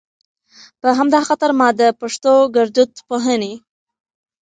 په همدا خاطر ما د پښتو ګړدود پوهنې